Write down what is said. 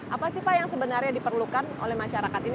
apa sih pak yang sebenarnya diperlukan oleh masyarakat ini